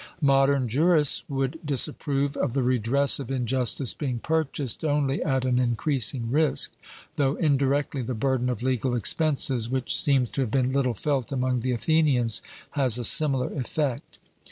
Modern jurists would disapprove of the redress of injustice being purchased only at an increasing risk; though indirectly the burden of legal expenses, which seems to have been little felt among the Athenians, has a similar effect.